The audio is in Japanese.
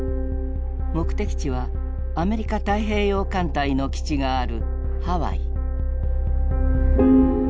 目的地はアメリカ太平洋艦隊の基地があるハワイ。